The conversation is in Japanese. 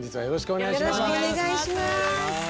よろしくお願いします。